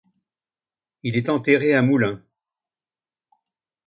Il est enterré à Moulins.